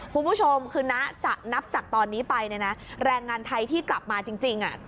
คุณผู้ชมคือนะจะนับจากตอนนี้ไปเนี่ยนะแรงงานไทยที่กลับมาจริง